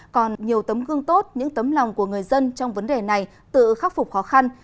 còn nhiều tấm gương tốt những tấm lòng của người dân trong vấn đề này tự khắc phục khó khăn